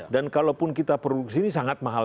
dan kalaupun kita produksi ini sangat mahal